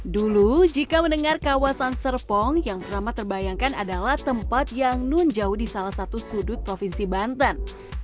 dulu jika mendengar kawasan serpong yang pertama terbayangkan adalah tempat yang nunjau di salah satu sudut provinsi banten